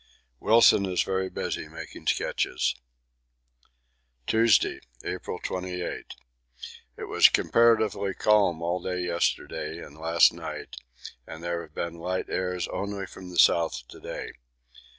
Wilson is very busy making sketches. Tuesday, April 28. It was comparatively calm all day yesterday and last night, and there have been light airs only from the south to day.